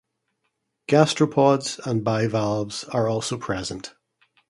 Gastropods and bivalves are also present.